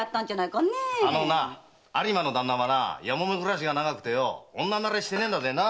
有馬の旦那はやもめ暮らしが長くて女慣れしてねえんだぜ。